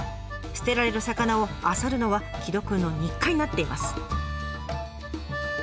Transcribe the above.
捨てられる魚をあさるのは城戸くんの日課になっています。